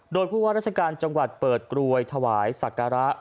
โดยผู้ว่าราชการจังหวัดเปิดกรวยถวายศักระ